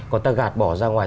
còn ta gạt bỏ ra ngoài